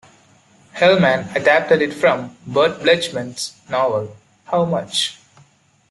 Hellman adapted it from Burt Blechman's novel How Much?